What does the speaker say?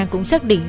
cũng xác định